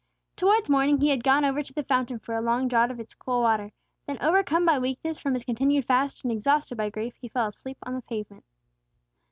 Towards morning he had gone over to the fountain for a long draught of its cool water; then overcome by weakness from his continued fast, and exhausted by grief, he fell asleep on the pavement.